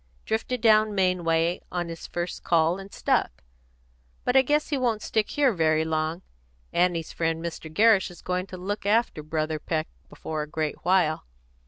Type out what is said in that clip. Drifted down Maine way on his first call and stuck; but I guess he won't stick here very long. Annie's friend Mr. Gerrish is going to look after Brother Peck before a great while."